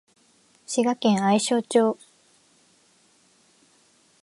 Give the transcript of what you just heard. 滋賀県愛荘町